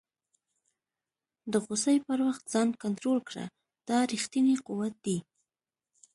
د غوسې پر وخت ځان کنټرول کړه، دا ریښتنی قوت دی.